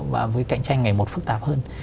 và với cạnh tranh ngày một phức tạp hơn